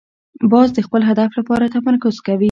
باز د خپل هدف لپاره تمرکز کوي